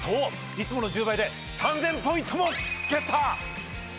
いつもの１０倍で３，０００ポイントもゲット！